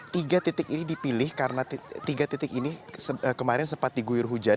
tiga titik ini dipilih karena tiga titik ini kemarin sempat diguyur hujan